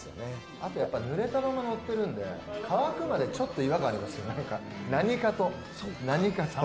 あとやっぱりぬれたまま乗ってるので乾くまでちょっと違和感ありますよね。